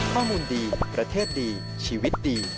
ข้อมูลดีประเทศดีชีวิตดี